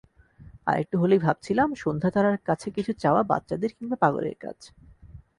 আরেকটু হলেই ভাবছিলাম, সন্ধ্যা তারার কাছে কিছু চাওয়া বাচ্চাদের কিংবা পাগলের কাজ।